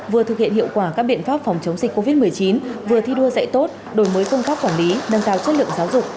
vừa thực hiện hiệu quả các biện pháp phòng chống dịch covid một mươi chín vừa thi đua dạy tốt đổi mới công tác quản lý nâng cao chất lượng giáo dục